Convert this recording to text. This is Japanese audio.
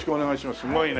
すごいね。